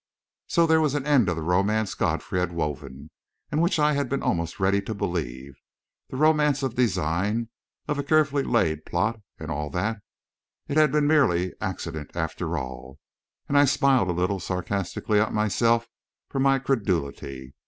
So there was an end of the romance Godfrey had woven, and which I had been almost ready to believe the romance of design, of a carefully laid plot, and all that. It had been merely accident, after all. And I smiled a little sarcastically at myself for my credulity.